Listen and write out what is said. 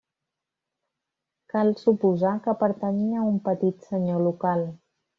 Cal suposar que pertanyia a un petit senyor local.